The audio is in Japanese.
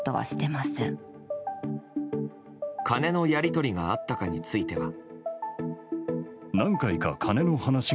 金のやり取りがあったかについては。